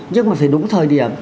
nhưng mà phải đúng thời điểm